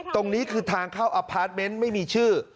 ตรงนี้คือทางเข้าอพาร์ทเมนต์ไม่มีชื่อ